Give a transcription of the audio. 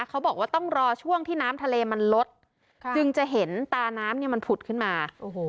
เขาบอกว่าต้องรอช่วงที่น้ำทะเลมันลดค่ะจึงจะเห็นตาน้ำเนี่ยมันผุดขึ้นมาโอ้โห